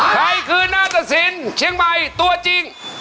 ใครคือนาตสินเชียงใหม่ตัวจริง